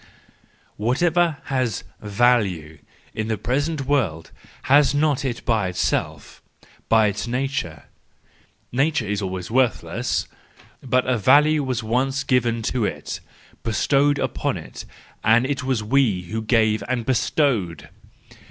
What¬ ever has value in the present world, has it not in itself, by its nature,—nature is always worthless :— but a value was once given to it, bestowed upon it, 236 THE JOYFUL WISDOM, IV and it was we who gave and bestowed!